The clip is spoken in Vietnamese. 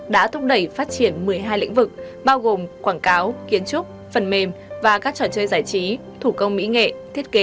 đã thúc đẩy phát triển một mươi hai lĩnh vực bao gồm quảng cáo kiến trúc phần mềm và các trò chơi giải trí thủ công mỹ nhật